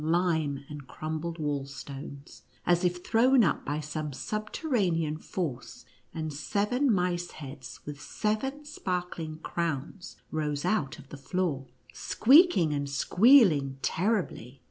lime and crumbled wall stones, as if thrown up by some subterranean force, and seven mice heads with seven sparkling crowns rose out of the floor, sqeaking and squealing terribly.